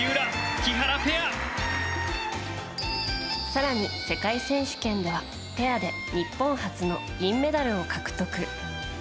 更に、世界選手権ではペアで日本初の銀メダルを獲得。